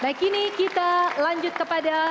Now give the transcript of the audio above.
baik kini kita lanjut kepada